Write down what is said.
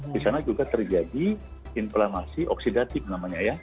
disana juga terjadi inflamasi oksidatif namanya ya